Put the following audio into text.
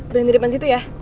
berhenti depan situ ya